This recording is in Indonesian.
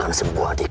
untuk memohon maaf